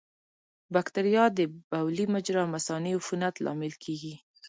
بکتریا د بولي مجرا او مثانې عفونت لامل کېږي.